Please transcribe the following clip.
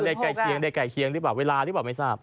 ใกล้เคียงได้ใกล้เคียงหรือเปล่าเวลาหรือเปล่าไม่ทราบ